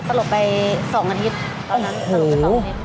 สลบไปสองอาทิตย์ตอนนั้นลกสองอาทิตย์